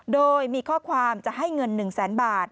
โดยมีข้อความจะให้เงิน๑แสนบาท